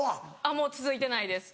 もう続いてないです